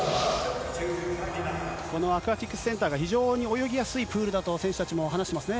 このアクアティクスセンターが非常に泳ぎやすいプールだと、選手たちも話してますね。